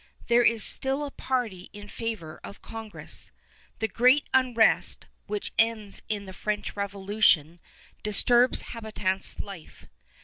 There is still a party in favor of Congress. The great unrest, which ends in the French Revolution, disturbs habitants' life.